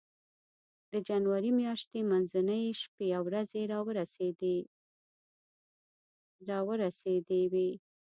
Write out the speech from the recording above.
د جنوري میاشتې منځنۍ شپې او ورځې را ورسېدې وې.